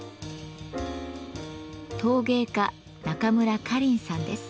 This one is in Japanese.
陶芸家中村かりんさんです。